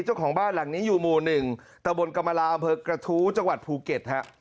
เจ้าของบ้านหลังนี้อยู่หมู่หนึ่งตะบนกำลาวอเมอร์กระทู้จังหวัดภูเก็ตฮะ